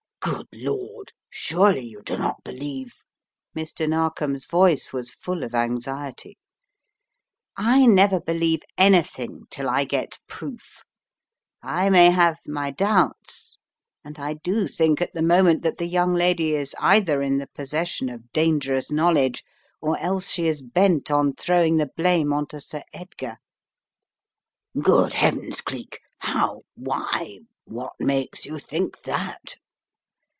"Good Lord! Surely you do not believe ?" Mr. Narkom's voice was full of anxiety. "I never * believe' anything till I get proof. I may have my doubts and I do think at the moment that the young lady is either in the possession of dangerous knowledge, or else she is bent on throwing the blame on to Sir Edgar —" "Good heavens, Cleek, how, why, what makes you think that?"